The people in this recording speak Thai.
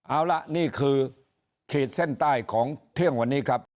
เอาล่ะนี่คือขีดเส้นใต้ของเที่ยงวันนี้ครับ